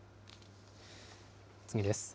次です。